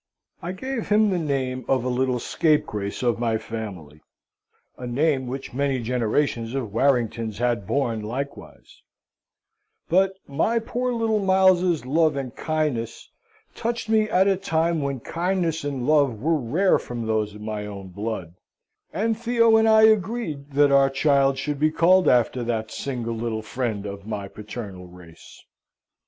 I gave him the name of a little scapegrace of my family, a name which many generations of Warringtons had borne likewise; but my poor little Miles's love and kindness touched me at a time when kindness and love were rare from those of my own blood, and Theo and I agreed that our child should be called after that single little friend of my paternal race.